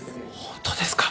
本当ですか？